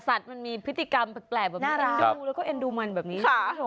สัตว์มันมีพฤติกรรมแปลกแอนดูและแอนดูมันแบบนี้